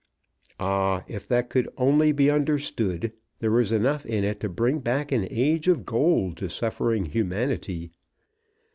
Ah, if that could only be understood, there was enough in it to bring back an age of gold to suffering humanity!